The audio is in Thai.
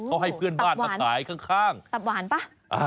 เขาให้เพื่อนบ้านมาขายข้างตับหวานป่ะ